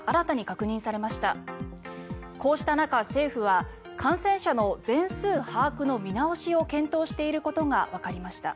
こうした中、政府は感染者の全数把握の見直しを検討していることがわかりました。